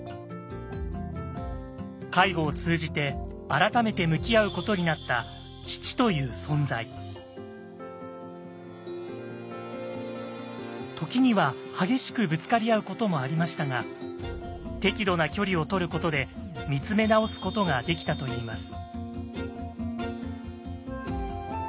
介護を通じて改めて向き合うことになった時には激しくぶつかり合うこともありましたが適度な距離をとることでみつめ直すことができたといいます。